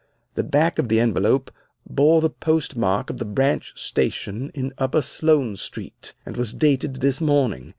The back of the envelope bore the postmark of the branch station in upper Sloane Street, and was dated this morning.